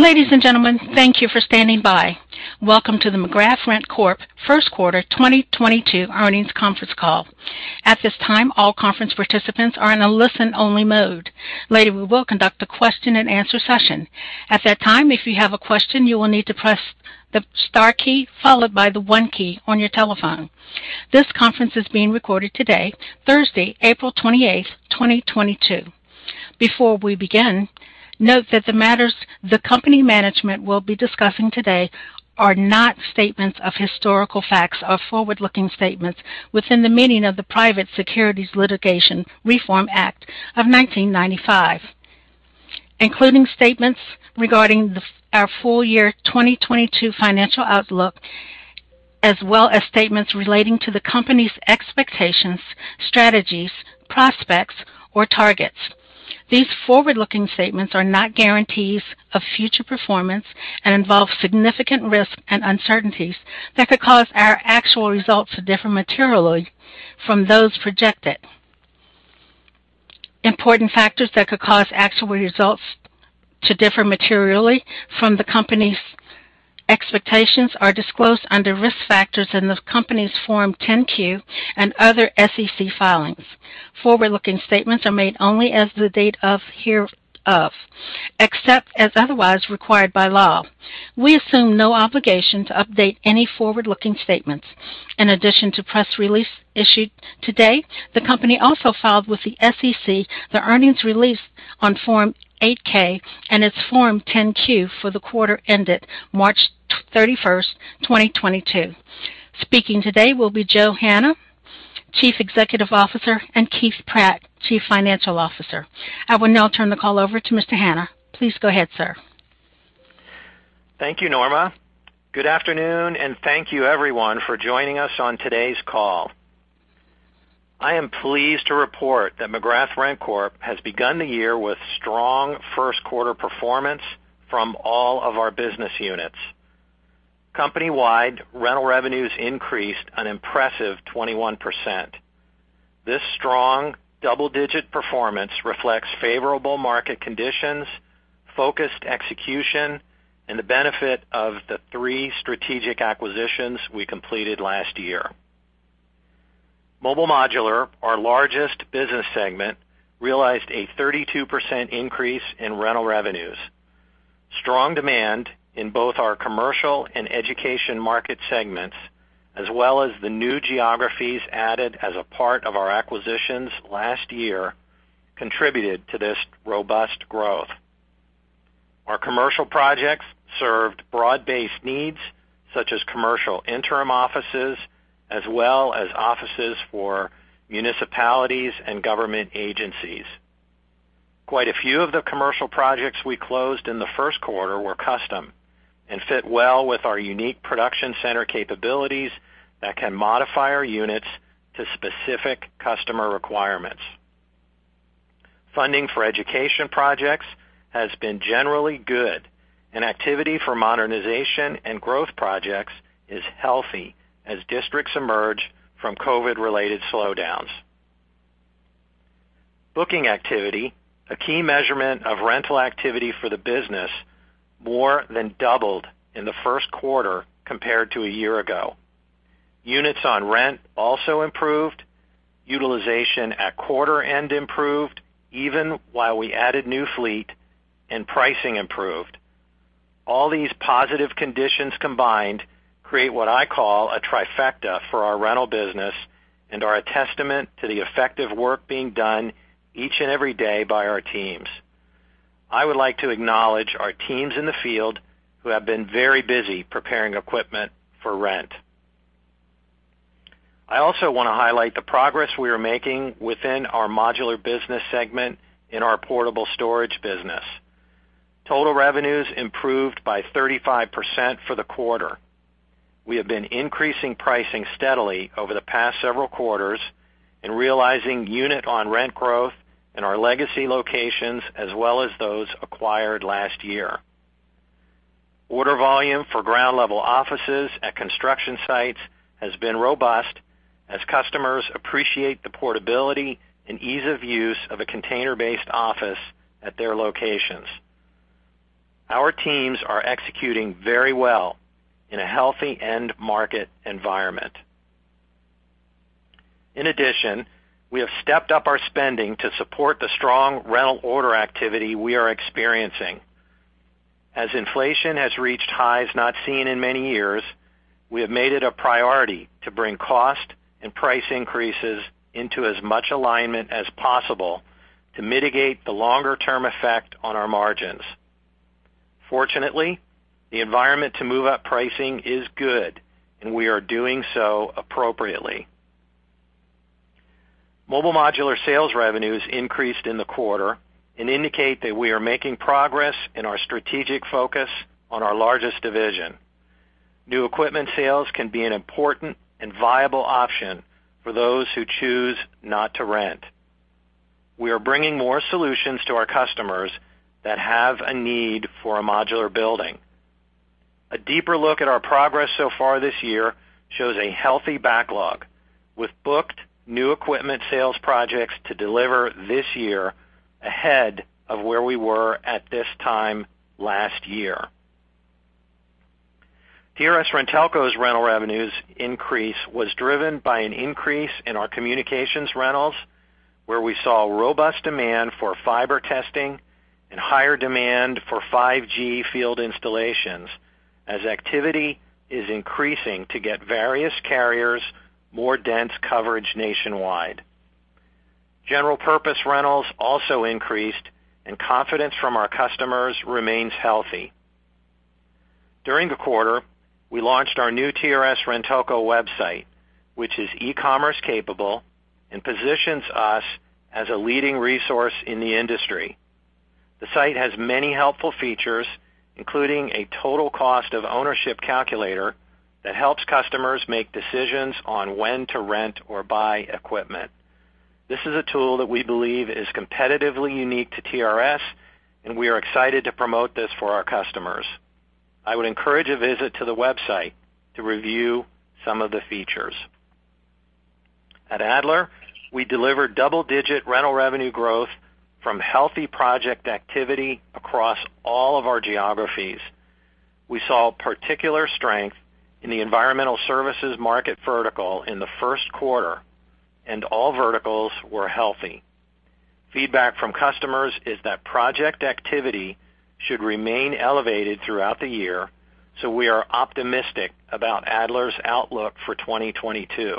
Ladies and gentlemen, thank you for standing by. Welcome to the McGrath RentCorp first quarter 2022 earnings conference call. At this time, all conference participants are in a listen-only mode. Later, we will conduct a question-and-answer session. At that time, if you have a question, you will need to press the star key followed by the one key on your telephone. This conference is being recorded today, Thursday, April 28th, 2022. Before we begin, note that the matters the company management will be discussing today are not statements of historical facts or forward-looking statements within the meaning of the Private Securities Litigation Reform Act of 1995, including statements regarding our full year 2022 financial outlook, as well as statements relating to the company's expectations, strategies, prospects, or targets. These forward-looking statements are not guarantees of future performance and involve significant risks and uncertainties that could cause our actual results to differ materially from those projected. Important factors that could cause actual results to differ materially from the company's expectations are disclosed under Risk Factors in the company's Form 10-Q and other SEC filings. Forward-looking statements are made only as of the date hereof, except as otherwise required by law. We assume no obligation to update any forward-looking statements. In addition to the press release issued to date, the company also filed with the SEC the earnings release on Form 8-K and its Form 10-Q for the quarter ended March 31st, 2022. Speaking today will be Joe Hanna, Chief Executive Officer, and Keith Pratt, Chief Financial Officer. I will now turn the call over to Mr. Hanna. Please go ahead, sir. Thank you, Norma. Good afternoon, and thank you everyone for joining us on today's call. I am pleased to report that McGrath RentCorp has begun the year with strong first quarter performance from all of our business units. Company-wide rental revenues increased an impressive 21%. This strong double-digit performance reflects favorable market conditions, focused execution, and the benefit of the three strategic acquisitions we completed last year. Mobile Modular, our largest business segment, realized a 32% increase in rental revenues. Strong demand in both our commercial and education market segments as well as the new geographies added as a part of our acquisitions last year contributed to this robust growth. Our commercial projects served broad-based needs, such as commercial interim offices as well as offices for municipalities and government agencies. Quite a few of the commercial projects we closed in the first quarter were custom and fit well with our unique production center capabilities that can modify our units to specific customer requirements. Funding for education projects has been generally good, and activity for modernization and growth projects is healthy as districts emerge from COVID-related slowdowns. Booking activity, a key measurement of rental activity for the business, more than doubled in the first quarter compared to a year ago. Units on rent also improved, utilization at quarter end improved even while we added new fleet, and pricing improved. All these positive conditions combined create what I call a trifecta for our rental business and are a testament to the effective work being done each and every day by our teams. I would like to acknowledge our teams in the field who have been very busy preparing equipment for rent. I also wanna highlight the progress we are making within our modular business segment in our portable storage business. Total revenues improved by 35% for the quarter. We have been increasing pricing steadily over the past several quarters and realizing unit on rent growth in our legacy locations as well as those acquired last year. Order volume for ground-level offices at construction sites has been robust as customers appreciate the portability and ease of use of a container-based office at their locations. Our teams are executing very well in a healthy end market environment. In addition, we have stepped up our spending to support the strong rental order activity we are experiencing. As inflation has reached highs not seen in many years, we have made it a priority to bring cost and price increases into as much alignment as possible to mitigate the longer-term effect on our margins. Fortunately, the environment to move up pricing is good, and we are doing so appropriately. Mobile Modular sales revenues increased in the quarter and indicate that we are making progress in our strategic focus on our largest division. New equipment sales can be an important and viable option for those who choose not to rent. We are bringing more solutions to our customers that have a need for a modular building. A deeper look at our progress so far this year shows a healthy backlog, with booked new equipment sales projects to deliver this year ahead of where we were at this time last year. TRS-RenTelco's rental revenues increase was driven by an increase in our communications rentals, where we saw robust demand for fiber testing and higher demand for 5G field installations as activity is increasing to get various carriers more dense coverage nationwide. General purpose rentals also increased, and confidence from our customers remains healthy. During the quarter, we launched our new TRS-RenTelco website, which is e-commerce capable and positions us as a leading resource in the industry. The site has many helpful features, including a total cost of ownership calculator that helps customers make decisions on when to rent or buy equipment. This is a tool that we believe is competitively unique to TRS, and we are excited to promote this for our customers. I would encourage a visit to the website to review some of the features. At Adler, we delivered double-digit rental revenue growth from healthy project activity across all of our geographies. We saw particular strength in the environmental services market vertical in the first quarter, and all verticals were healthy. Feedback from customers is that project activity should remain elevated throughout the year, so we are optimistic about Adler's outlook for 2022.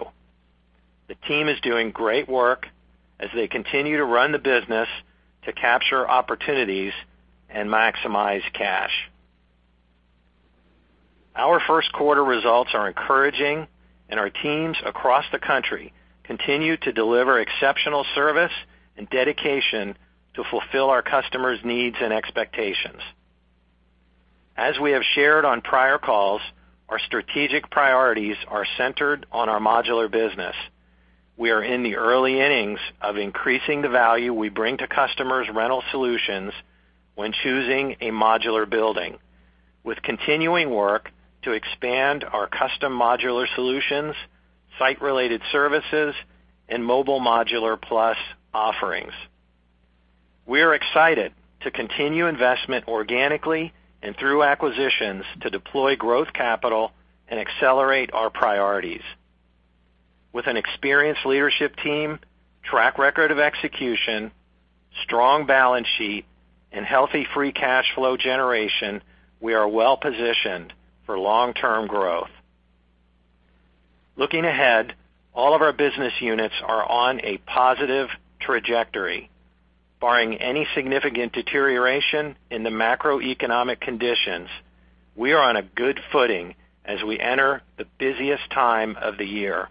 The team is doing great work as they continue to run the business to capture opportunities and maximize cash. Our first quarter results are encouraging, and our teams across the country continue to deliver exceptional service and dedication to fulfill our customers' needs and expectations. As we have shared on prior calls, our strategic priorities are centered on our modular business. We are in the early innings of increasing the value we bring to customers' rental solutions when choosing a modular building, with continuing work to expand our custom modular solutions, site-related services, and Mobile Modular Plus offerings. We are excited to continue investment organically and through acquisitions to deploy growth capital and accelerate our priorities. With an experienced leadership team, track record of execution, strong balance sheet, and healthy free cash flow generation, we are well-positioned for long-term growth. Looking ahead, all of our business units are on a positive trajectory. Barring any significant deterioration in the macroeconomic conditions, we are on a good footing as we enter the busiest time of the year.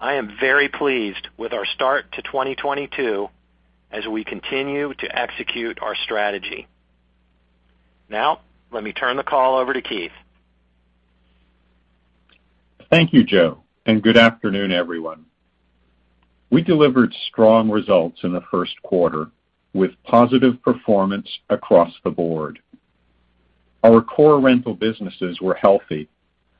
I am very pleased with our start to 2022 as we continue to execute our strategy. Now, let me turn the call over to Keith. Thank you, Joe, and good afternoon, everyone. We delivered strong results in the first quarter with positive performance across the board. Our core rental businesses were healthy,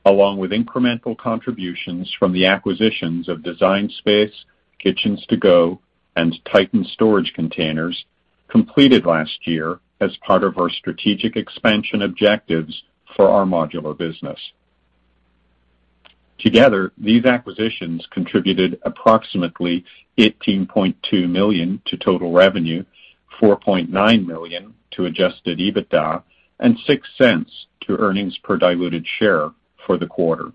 along with incremental contributions from the acquisitions of Design Space, Kitchens To Go, and Titan Storage Containers completed last year as part of our strategic expansion objectives for our modular business. Together, these acquisitions contributed approximately $18.2 million to total revenue, $4.9 million to adjusted EBITDA, and $0.06 to earnings per diluted share for the quarter.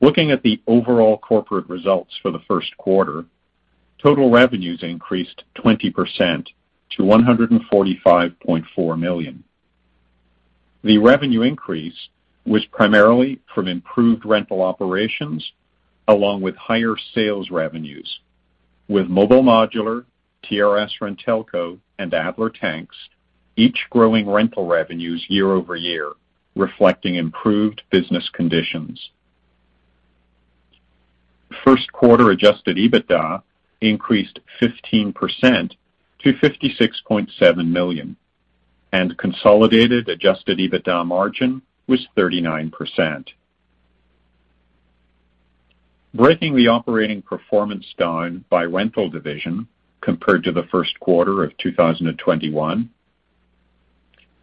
Looking at the overall corporate results for the first quarter, total revenues increased 20% to $145.4 million. The revenue increase was primarily from improved rental operations along with higher sales revenues, with Mobile Modular, TRS-RenTelco, and Adler Tanks each growing rental revenues year-over-year, reflecting improved business conditions. First quarter adjusted EBITDA increased 15% to $56.7 million, and consolidated adjusted EBITDA margin was 39%. Breaking the operating performance down by rental division compared to the first quarter of 2021,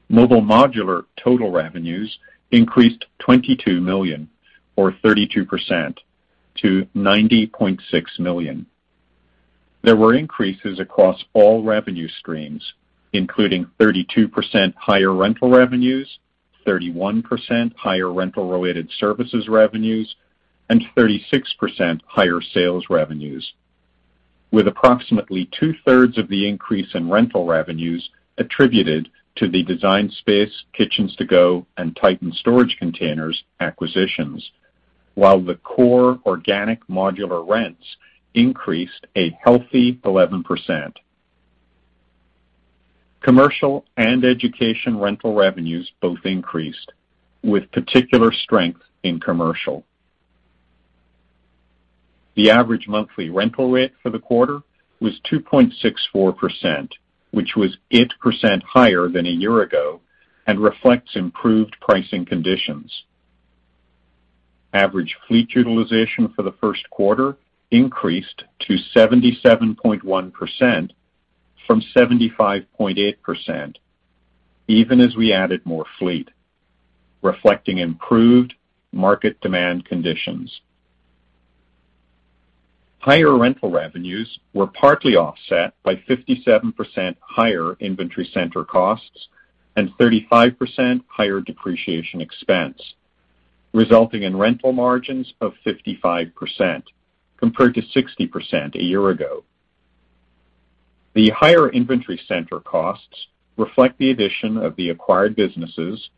Mobile Modular total revenues increased $22 million or 32% to $90.6 million. There were increases across all revenue streams, including 32% higher rental revenues, 31% higher rental-related services revenues, and 36% higher sales revenues, with approximately two-thirds of the increase in rental revenues attributed to the Design Space, Kitchens To Go, and Titan Storage Containers acquisitions, while the core organic modular rents increased a healthy 11%. Commercial and education rental revenues both increased, with particular strength in commercial. The average monthly rental rate for the quarter was 2.64%, which was 8% higher than a year ago and reflects improved pricing conditions. Average fleet utilization for the first quarter increased to 77.1% from 75.8%, even as we added more fleet, reflecting improved market demand conditions. Higher rental revenues were partly offset by 57% higher inventory center costs and 35% higher depreciation expense, resulting in rental margins of 55% compared to 60% a year ago. The higher inventory center costs reflect the addition of the acquired businesses,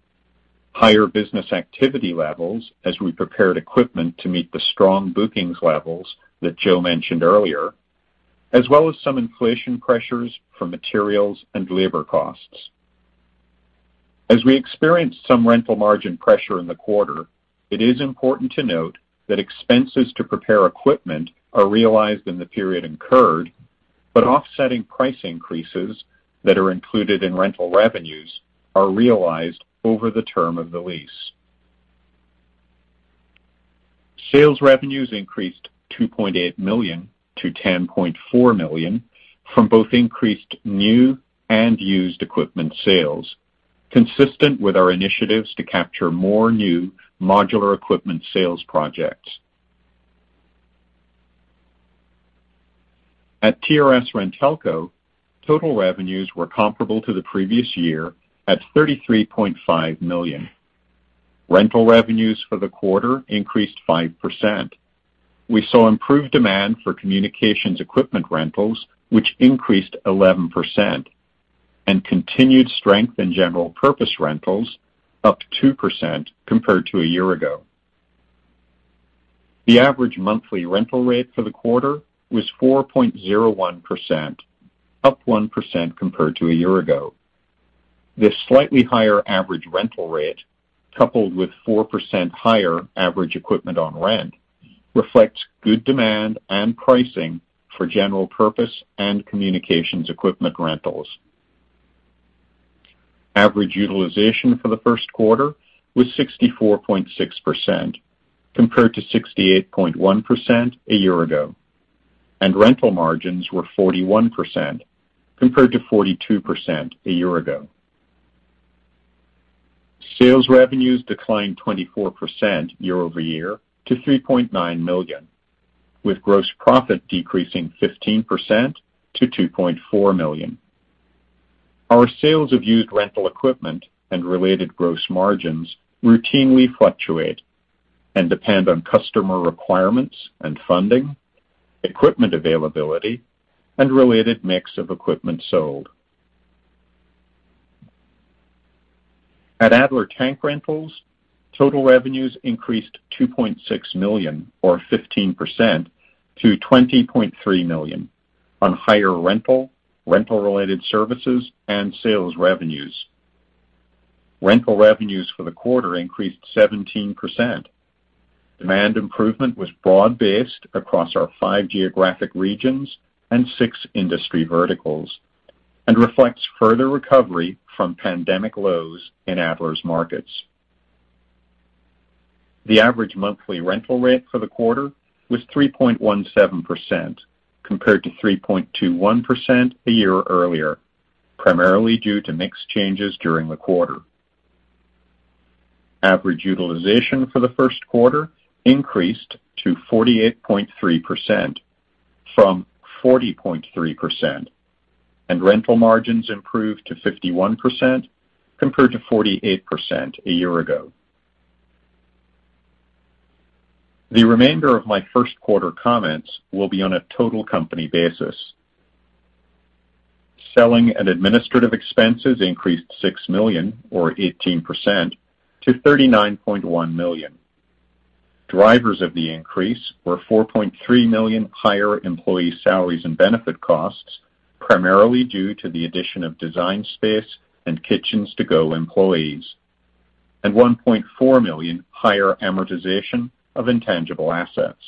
higher business activity levels as we prepared equipment to meet the strong bookings levels that Joe mentioned earlier, as well as some inflation pressures for materials and labor costs. As we experienced some rental margin pressure in the quarter, it is important to note that expenses to prepare equipment are realized in the period incurred, but offsetting price increases that are included in rental revenues are realized over the term of the lease. Sales revenues increased $2.8 million to $10.4 million from both increased new and used equipment sales, consistent with our initiatives to capture more new modular equipment sales projects. At TRS-RenTelco, total revenues were comparable to the previous year at $33.5 million. Rental revenues for the quarter increased 5%. We saw improved demand for communications equipment rentals, which increased 11% and continued strength in general purpose rentals up 2% compared to a year ago. The average monthly rental rate for the quarter was 4.01%, up 1% compared to a year ago. This slightly higher average rental rate, coupled with 4% higher average equipment on rent, reflects good demand and pricing for general purpose and communications equipment rentals. Average utilization for the first quarter was 64.6% compared to 68.1% a year ago, and rental margins were 41% compared to 42% a year ago. Sales revenues declined 24% year-over-year to $3.9 million, with gross profit decreasing 15% to $2.4 million. Our sales of used rental equipment and related gross margins routinely fluctuate and depend on customer requirements and funding, equipment availability, and related mix of equipment sold. At Adler Tank Rentals, total revenues increased $2.6 million or 15% to $20.3 million on higher rental-related services and sales revenues. Rental revenues for the quarter increased 17%. Demand improvement was broad-based across our five geographic regions and six industry verticals and reflects further recovery from pandemic lows in Adler's markets. The average monthly rental rate for the quarter was 3.17% compared to 3.21% a year earlier, primarily due to mix changes during the quarter. Average utilization for the first quarter increased to 48.3% from 40.3%, and rental margins improved to 51% compared to 48% a year ago. The remainder of my first quarter comments will be on a total company basis. Selling and administrative expenses increased $6 million or 18% to $39.1 million. Drivers of the increase were $4.3 million higher employee salaries and benefit costs, primarily due to the addition of Design Space and Kitchens To Go employees, and $1.4 million higher amortization of intangible assets.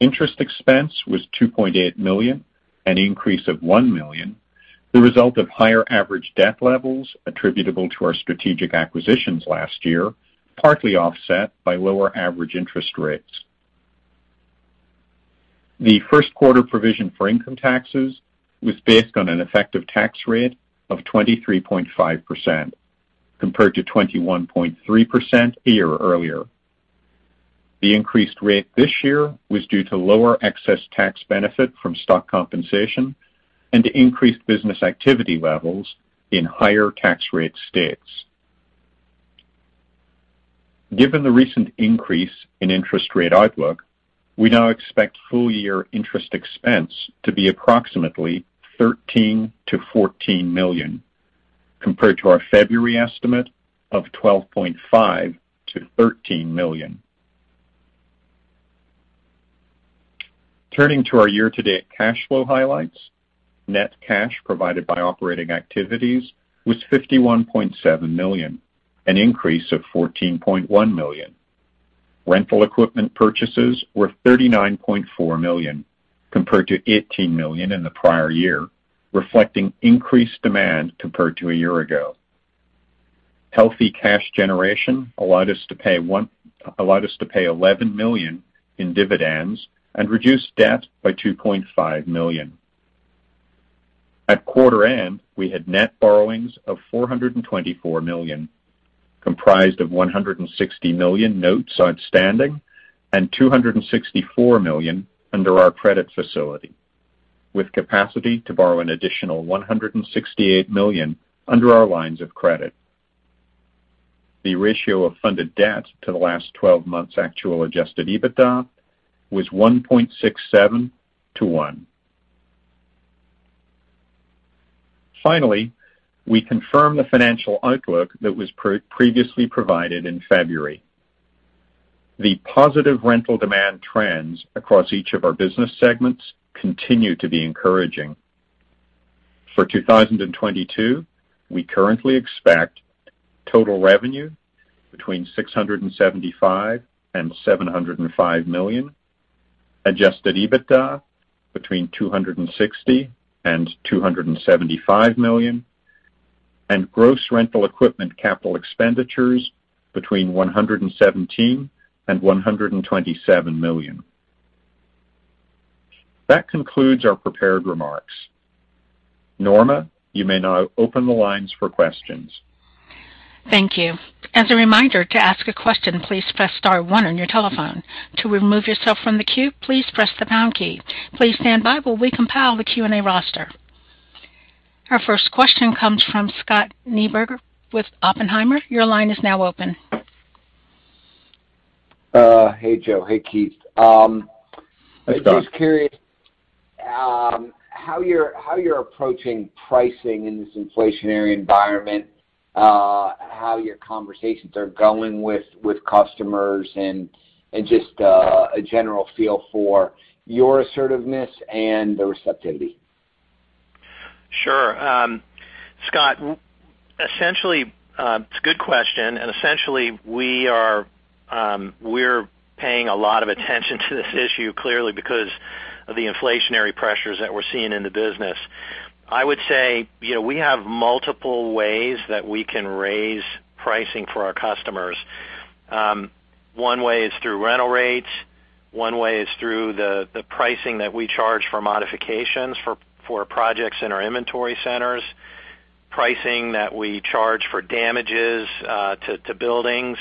Interest expense was $2.8 million, an increase of $1 million, the result of higher average debt levels attributable to our strategic acquisitions last year, partly offset by lower average interest rates. The first quarter provision for income taxes was based on an effective tax rate of 23.5% compared to 21.3% a year earlier. The increased rate this year was due to lower excess tax benefit from stock compensation and increased business activity levels in higher tax rate states. Given the recent increase in interest rate outlook, we now expect full year interest expense to be approximately $13 million-$14 million compared to our February estimate of $12.5 million-$13 million. Turning to our year-to-date cash flow highlights. Net cash provided by operating activities was $51.7 million, an increase of $14.1 million. Rental equipment purchases were $39.4 million compared to $18 million in the prior year, reflecting increased demand compared to a year ago. Healthy cash generation allowed us to pay $11 million in dividends and reduce debt by $2.5 million. At quarter end, we had net borrowings of $424 million, comprised of $160 million notes outstanding and $264 million under our credit facility, with capacity to borrow an additional $168 million under our lines of credit. The ratio of funded debt to the last twelve months actual adjusted EBITDA was 1.67x to 1x. Finally, we confirm the financial outlook that was previously provided in February. The positive rental demand trends across each of our business segments continue to be encouraging. For 2022, we currently expect total revenue between $675 million-$705 million, adjusted EBITDA between $260 million-$275 million, and gross rental equipment capital expenditures between $117 million-$127 million. That concludes our prepared remarks. Norma, you may now open the lines for questions. Thank you. As a reminder to ask a question, please press star one on your telephone. To remove yourself from the queue, please press the pound key. Please stand by while we compile the Q&A roster. Our first question comes from Scott Schneeberger with Oppenheimer. Your line is now open. Hey, Joe. Hey, Keith. Hey, Scott. Just curious, how you're approaching pricing in this inflationary environment, how your conversations are going with customers and just a general feel for your assertiveness and the receptivity. Sure. Scott, essentially, it's a good question, and essentially we're paying a lot of attention to this issue clearly because of the inflationary pressures that we're seeing in the business. I would say, you know, we have multiple ways that we can raise pricing for our customers. One way is through rental rates, one way is through the pricing that we charge for modifications for projects in our inventory centers, pricing that we charge for damages to buildings,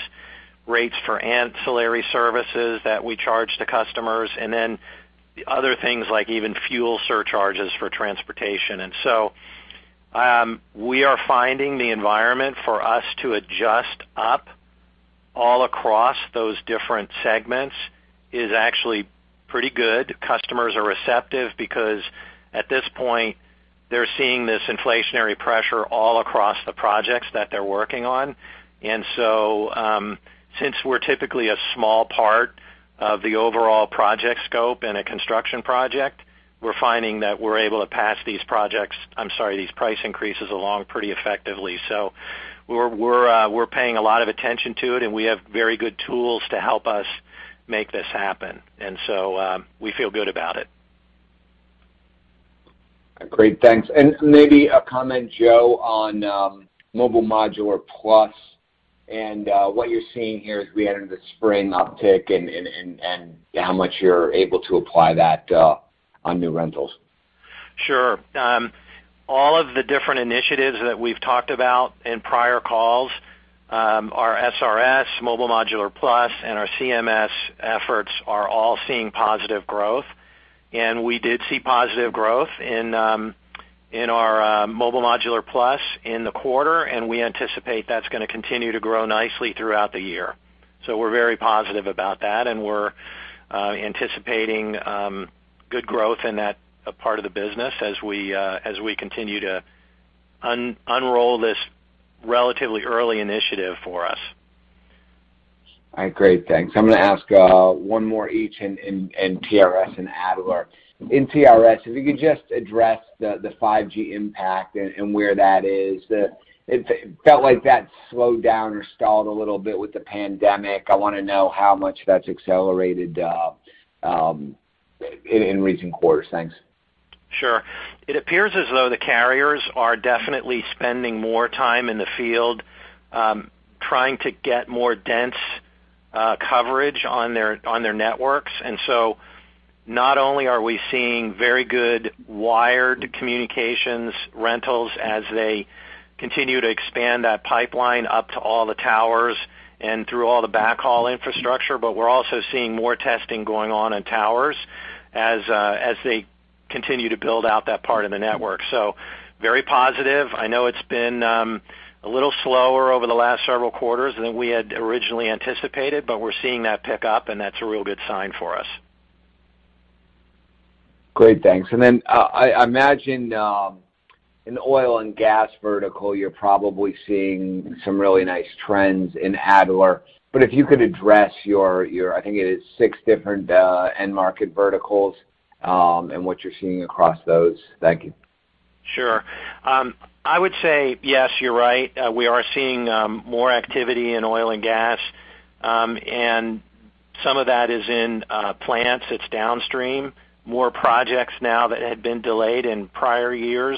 rates for ancillary services that we charge to customers, and then other things like even fuel surcharges for transportation. We are finding the environment for us to adjust up all across those different segments is actually pretty good. Customers are receptive because at this point they're seeing this inflationary pressure all across the projects that they're working on. Since we're typically a small part of the overall project scope in a construction project, we're finding that we're able to pass these projects, I'm sorry, these price increases along pretty effectively. We're paying a lot of attention to it, and we have very good tools to help us make this happen. We feel good about it. Great. Thanks. Maybe a comment, Joe, on Mobile Modular Plus and what you're seeing here as we enter the spring uptick and how much you're able to apply that on new rentals. Sure. All of the different initiatives that we've talked about in prior calls, our SRS, Mobile Modular Plus and our CMS efforts are all seeing positive growth. We did see positive growth in our Mobile Modular Plus in the quarter, and we anticipate that's gonna continue to grow nicely throughout the year. We're very positive about that, and we're anticipating good growth in that part of the business as we continue to unroll this relatively early initiative for us. All right. Great. Thanks. I'm gonna ask one more each in TRS and Adler. In TRS, if you could just address the 5G impact and where that is. It felt like that slowed down or stalled a little bit with the pandemic. I wanna know how much that's accelerated in recent quarters. Thanks. Sure. It appears as though the carriers are definitely spending more time in the field, trying to get more dense coverage on their networks. Not only are we seeing very good wired communications rentals as they continue to expand that pipeline up to all the towers and through all the backhaul infrastructure, but we're also seeing more testing going on in towers as they continue to build out that part of the network. Very positive. I know it's been a little slower over the last several quarters than we had originally anticipated, but we're seeing that pick up, and that's a real good sign for us. Great. Thanks. I imagine in the oil and gas vertical, you're probably seeing some really nice trends in Adler. If you could address your, I think it is six different end market verticals, and what you're seeing across those. Thank you. Sure. I would say yes, you're right. We are seeing more activity in oil and gas. Some of that is in plants, it's downstream. More projects now that had been delayed in prior years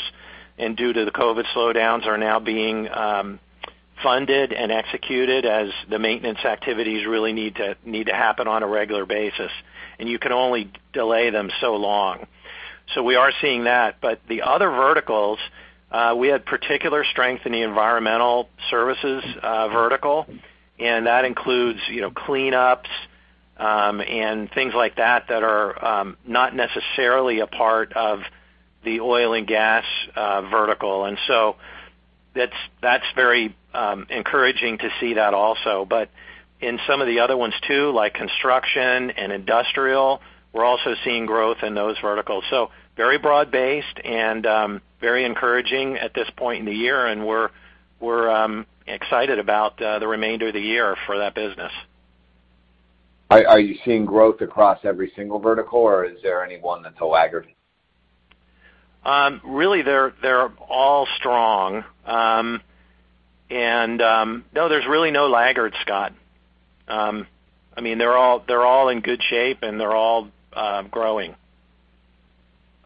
and due to the COVID slowdowns are now being funded and executed as the maintenance activities really need to happen on a regular basis, and you can only delay them so long. We are seeing that. The other verticals, we had particular strength in the environmental services vertical, and that includes, you know, cleanups and things like that that are not necessarily a part of the oil and gas vertical. That's very encouraging to see that also. In some of the other ones too, like construction and industrial, we're also seeing growth in those verticals. Very broad-based and very encouraging at this point in the year. We're excited about the remainder of the year for that business. Are you seeing growth across every single vertical, or is there any one that's a laggard? Really, they're all strong. No, there's really no laggards, Scott. I mean, they're all in good shape, and they're all growing.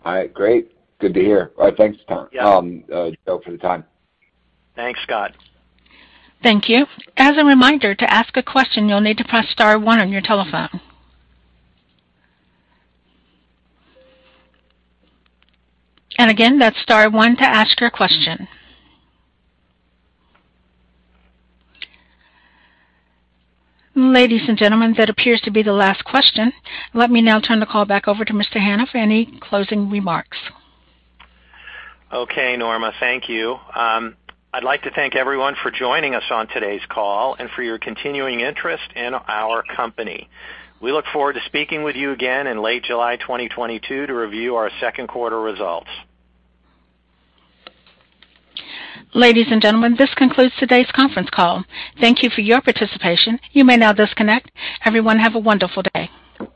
All right, great. Good to hear. All right, thanks, Tom, Joe for the time. Thanks, Scott. Thank you. As a reminder to ask a question, you'll need to press star one on your telephone. Again, that's star one to ask your question. Ladies and gentlemen, that appears to be the last question. Let me now turn the call back over to Mr. Hanna for any closing remarks. Okay, Norma. Thank you. I'd like to thank everyone for joining us on today's call and for your continuing interest in our company. We look forward to speaking with you again in late July 2022 to review our second quarter results. Ladies and gentlemen, this concludes today's conference call. Thank you for your participation. You may now disconnect. Everyone, have a wonderful day.